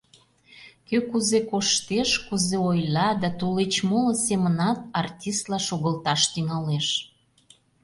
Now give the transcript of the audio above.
Кӧ кузе коштеш, кузе ойла да тулеч моло семынат артистла шогылташ тӱҥалеш.